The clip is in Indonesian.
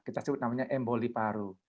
kita sebut namanya emboli paru